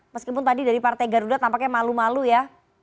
meskipun tadi dari partai garuda tampaknya malu malu ya